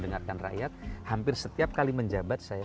dengarkan rakyat hampir setiap kali menjabat saya